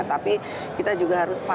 tapi kita juga harus